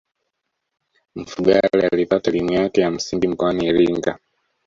mfugale alipata elimu yake ya msingi mkoani iringa